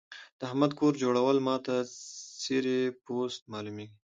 د احمد کور جوړول ما ته څيرې پوست مالومېږي.